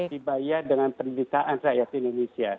dibayar dengan penderitaan rakyat indonesia